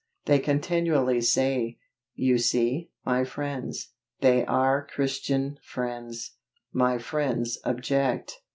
They continually say, "You see, my friends" they are Christian, friends "my friends object."